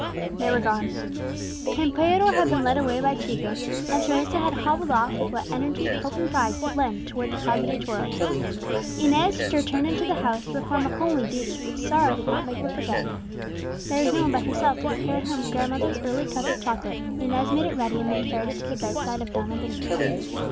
They were gone. Campeador had been led away by Chico, and Teresa had hobbled off with what energy hope and pride could lend towards the Plaza de Toros. Inez returned into the house to perform a homely duty which sorrow did not make her forget. There was no one but herself to prepare her grandmother's early cup of chocolate; Inez made it ready, and then carried it to the bedside of Donna Benita.